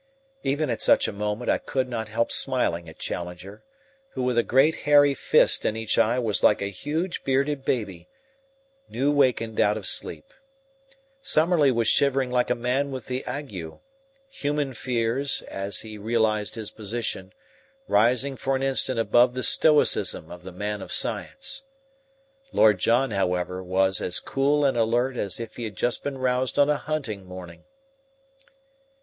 Even at such a moment I could not help smiling at Challenger, who with a great hairy fist in each eye was like a huge, bearded baby, new wakened out of sleep. Summerlee was shivering like a man with the ague, human fears, as he realized his position, rising for an instant above the stoicism of the man of science. Lord John, however, was as cool and alert as if he had just been roused on a hunting morning.